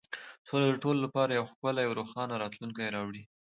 سوله د ټولو لپاره یو ښکلی او روښانه راتلونکی راوړي.